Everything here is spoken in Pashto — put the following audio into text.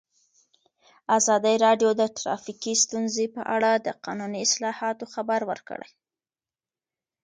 ازادي راډیو د ټرافیکي ستونزې په اړه د قانوني اصلاحاتو خبر ورکړی.